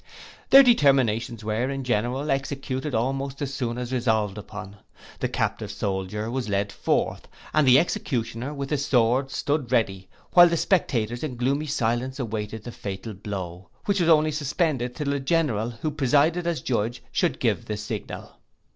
Their determinations were, in general, executed almost as soon as resolved upon. The captive soldier was led forth, and the executioner, with his sword, stood ready, while the spectators in gloomy silence awaited the fatal blow, which was only suspended till the general, who presided as judge, should give the signal.